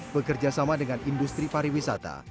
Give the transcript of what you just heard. bekerjasama dengan industri pariwisata